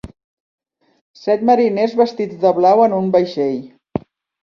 Set mariners vestits de blau en un vaixell.